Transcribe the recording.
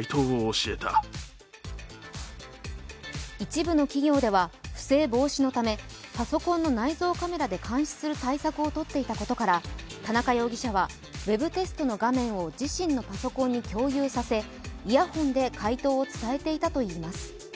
一部の企業では不正防止のためパソコンの内蔵カメラで監視する対策を取っていたことから田中容疑者はウェブテストの画面を自身のパソコンに共有させイヤホンで解答を伝えていたといいます。